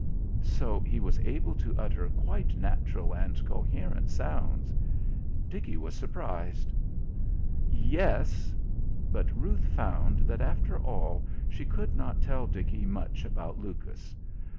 So he was able to utter quite natural and coherent sounds! Dickie was surprised. "Yes " But Ruth found that, after all, she could not tell Dickie much about Lucas.